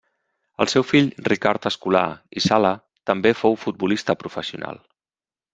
El seu fill Ricard Escolà i Sala també fou futbolista professional.